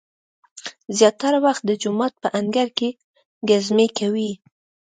زیاتره وخت د جومات په انګړ کې ګزمې کوي.